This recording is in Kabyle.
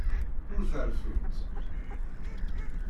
Ur terfimt.